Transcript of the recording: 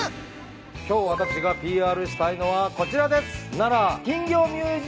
今日私がＰＲしたいのはこちらです。